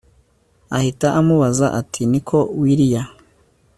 ahita amubaza ati niko willia